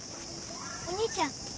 お兄ちゃん。